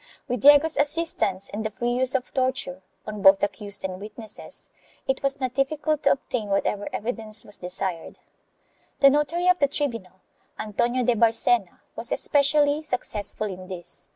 With Diego's assistance and the free use of torture, on both accused and witnesses, it was not difficult to obtain whatever evidence was desired. The notary of the tribunal, Antonio de Barcena, was especially successful in this.